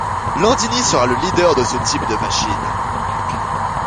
Landini sera le leader de ce type de machines.